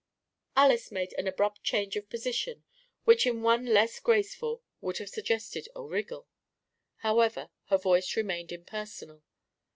Alys made an abrupt change of position which in one less graceful would have suggested a wriggle. However, her voice remained impersonal.